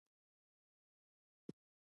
مبصرین یې وايي چې د بې حسابه زرو مالک به شي.